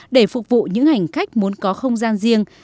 để phục vụ những hành khách muốn có không gian riêng